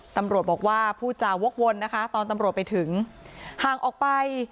ตำรวจบอกว่าผู้จาวกวนนะคะตอนตำรวจไปถึงห่างออกไป